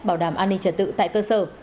bảo đảm an ninh trật tự tại cơ sở